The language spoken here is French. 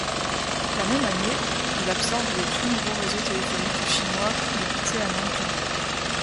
La même année, il absorbe le tout nouveau réseau téléphonique chinois débuté à Nankin.